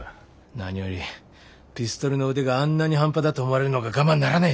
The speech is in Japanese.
何よりピストルの腕があんなに半端だと思われるのが我慢ならねえ。